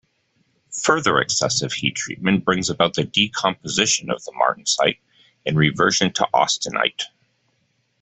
Further excessive heat-treatment brings about the decomposition of the martensite and reversion to austenite.